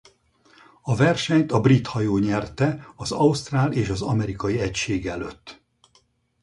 A versenyt a brit hajó nyerte az ausztrál és az amerikai egység előtt.